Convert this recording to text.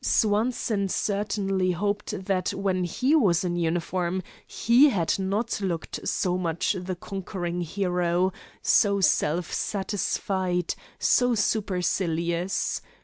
Swanson certainly hoped that when he was in uniform he had not looked so much the conquering hero, so self satisfied, so supercilious.